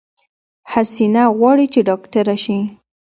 حسينه غواړی چې ډاکټره شی